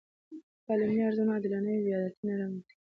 که تعلیمي ارزونه عادلانه وي، بې عدالتي نه رامنځته کېږي.